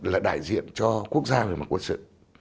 là đại diện cho quốc gia về mặt quân sự